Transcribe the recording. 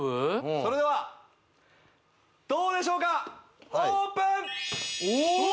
それではどうでしょうかオープンおお！